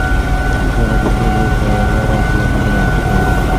پوهه د پوهې په لاره کې خنډونه ختموي.